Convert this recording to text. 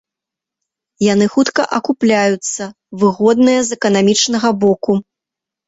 Яны хутка акупляюцца, выгодныя з эканамічнага боку.